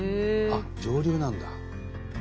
あっ上流なんだ。